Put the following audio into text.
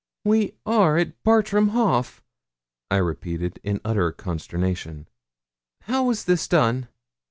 'We are at Bartram Haugh!' I repeated, in utter consternation. 'How was this done?'